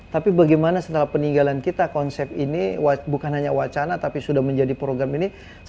tapi bagaimana setelah peninggalan kita konsep ini bukan hanya wacana tapi sudah menjadi program ini